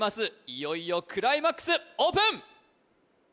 いよいよクライマックスオープン！